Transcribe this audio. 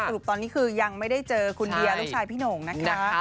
ปตอนนี้คือยังไม่ได้เจอคุณเดียลูกชายพี่หน่งนะคะ